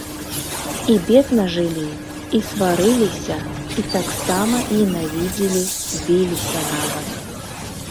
І бедна жылі, і сварыліся, і таксама ненавідзелі, біліся нават.